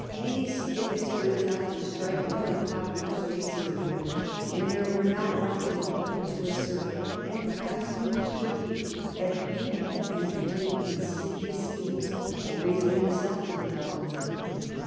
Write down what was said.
Any stick is good enough to strike an unpopular statesman with, and there were not wanting people to assert, and perhaps even to believe, that Bute had entertained insidious schemes for raising himself to the throne.